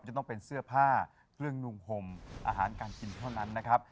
จะต้องเป็นเสื้อผ้าเครื่องนุ่งห่มอาหารการกินเท่านั้นนะครับ